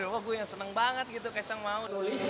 wah gue yang seneng banget gitu kayasang mau